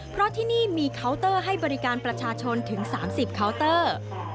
เพราะที่นี่มีเคาน์เตอร์ให้บริการประชาชนถึง๓๐เคาน์เตอร์